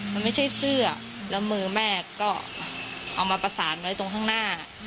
มันไม่ใช่เสื้อแล้วมือแม่ก็เอามาประสานไว้ตรงข้างหน้า